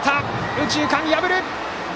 右中間、破る！